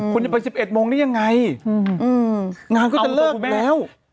คุณจะไป๑๑โมงได้ยังไงงานก็จะเลิกไปแล้ว